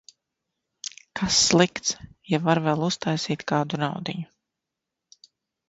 Kas slikts, ja var vēl uztaisīt kādu naudiņu?